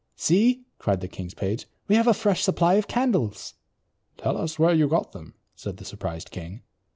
"See," cried the king's page, "we have a fresh supply of candles." "Tell us where you got them," said the surprised king.